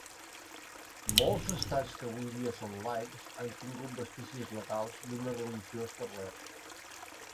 Molts Estats que avui dia són laics, han tingut vestigis legals d'una religió establerta.